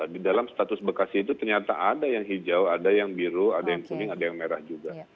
di dalam status bekasi itu ternyata ada yang hijau ada yang biru ada yang kuning ada yang merah juga